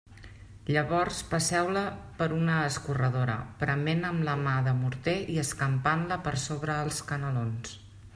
Llavors pas-seu-la per una escorredora, prement-la amb la mà de morter i escampant-la per sobre els canelons.